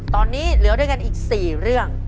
ตอนนี้เหลือด้วยกันอีก๔เรื่อง